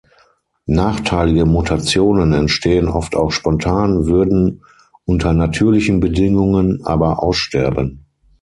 Nachteilige Mutationen entstehen oft auch spontan, würden unter natürlichen Bedingungen aber aussterben.